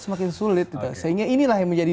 semakin sulit sehingga inilah yang menjadi